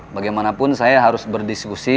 bagaimanapun saya harus berdiskusi